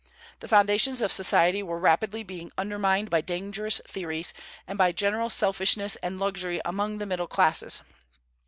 The foundations of society were rapidly being undermined by dangerous theories, and by general selfishness and luxury among the middle classes.